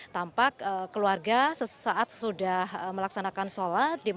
tampak keluarga sesaat sudah melaksanakan sholat